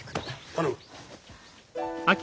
頼む。